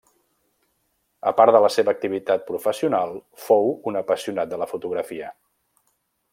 A part de la seva activitat professional, fou un apassionat de la fotografia.